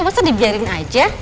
masa dibiarin aja